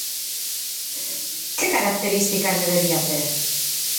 Que características debería ter?